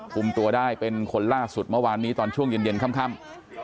คุมตัวได้เป็นคนล่าสุดเมื่อวานนี้ตอนช่วงเย็นค่ำ